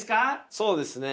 そうですね。